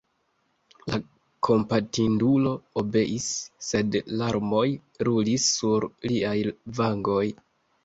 La kompatindulo obeis, sed larmoj rulis sur liaj vangoj.